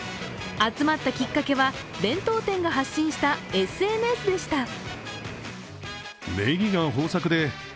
集まったきっかけは弁当店が発信したＳＮＳでした。